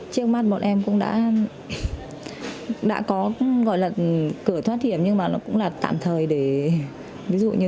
trước mắt bọn em cũng đã có gọi là cửa thoát hiểm nhưng mà nó cũng là tạm thời để ví dụ như